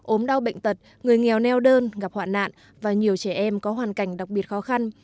ốm đau bệnh tật người nghèo neo đơn gặp hoạn nạn và nhiều trẻ em có hoàn cảnh đặc biệt khó khăn